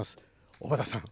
小畑さん